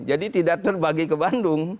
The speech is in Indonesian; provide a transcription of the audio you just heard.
jadi tidak terbagi ke bandung